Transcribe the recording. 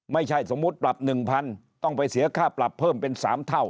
ไม่ใช่สมมุติปรับ๑๐๐๐ต้องไปเสียค่าปรับเพิ่มเป็น๓เท่า